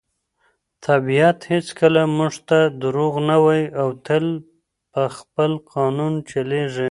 طبیعت هیڅکله موږ ته دروغ نه وایي او تل په خپل قانون چلیږي.